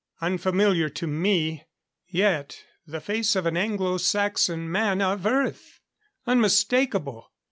Unfamiliar to me yet the face of an Anglo Saxon man of Earth! Unmistakable!